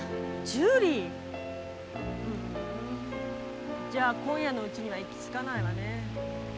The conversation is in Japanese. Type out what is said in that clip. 十里？じゃあ今夜のうちには行き着かないわね。